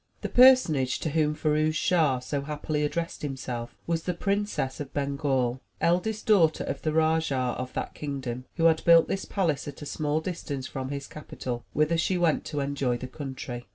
*' The personage to whom Firouz Schah so happily addressed himself was the Princess of Bengal, eldest daughter of the Rajah of that kingdom, who had built this palace at a small distance from his capital, whither she went to enjoy the country.